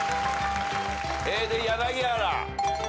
で柳原。